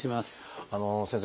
先生。